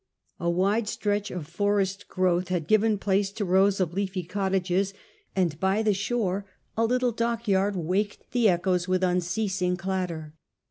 A wide stretch of forest growth had given place to rows of leafy cottages, and by the shore a little dockyard waked the echoes with unceasing clatter.